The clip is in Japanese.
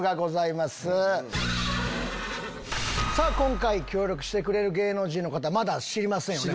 今回協力してくれる芸能人の方まだ知りませんよね。